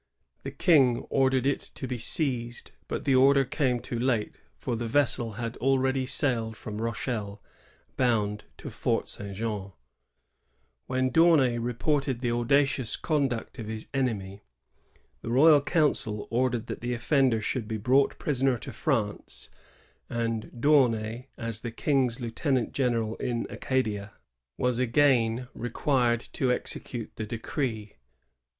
The King ordered it to be seized ; but the order came too late, for the vessel had already sailed from Rochelle bound to Fort St. Jean. When D'Aunay reported the audacious conduct of his enemy, the royal council ordered that the offender should be brought prisoner to France ;^ and D'Aunay, 1 ArrH du C<m»eil, 21 Fiv., 1042. 1648.] LA TOUK ASKS AID OF BOSTON. 19 ajB the King's lieutenant general in Acadia, was again required to execute the decree.